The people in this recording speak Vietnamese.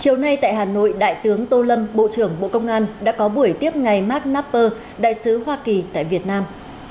chiều nay tại hà nội đại tướng tô lâm bộ trưởng bộ công an đã có buổi tiếp ngày mark nnapper đại sứ hoa kỳ tại việt nam